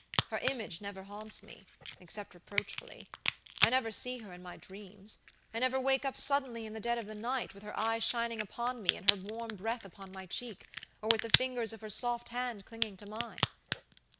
Her image never haunts me, except reproachfully. I never see her in my dreams. I never wake up suddenly in the dead of the night with her eyes shining upon me and her warm breath upon my cheek, or with the fingers of her soft hand clinging to mine.